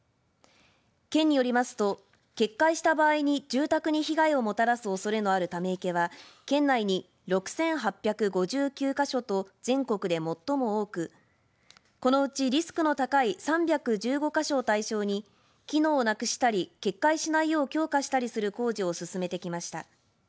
県によりますと決壊した場合に住宅に被害をもたらすおそれのあるため池は県内に６８５９か所と全国で最も多くこのうちリスクの高い３１５か所を対象に機能をなくしたり決壊しないよう強化したりする工事を進めてきました。